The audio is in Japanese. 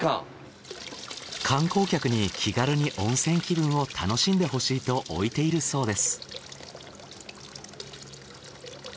観光客に気軽に温泉気分を楽しんでほしいと置いているそうです。